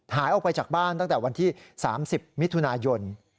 หายออกไปจากบ้านตั้งแต่วันที่๓๐มิถุนายน